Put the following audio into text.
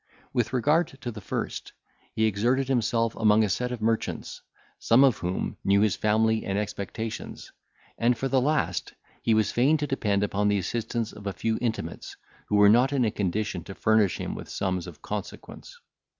With regard to the first, he exerted himself among a set of merchants, some of whom knew his family and expectations; and, for the last, he was fain to depend upon the assistance of a few intimates, who were not in a condition to furnish him with sums of consequence.